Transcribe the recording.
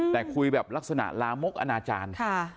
แต่คุยแบบลักษณะลามกอนาจารย์